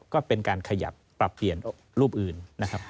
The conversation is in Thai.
ก็เป็นการขยับปรับเปลี่ยนรูปอื่นนะครับ